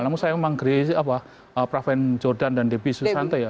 namun sayang memang preven jordan dan debi susanto ya